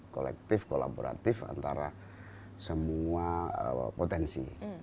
kolektif kolaboratif antara semua potensi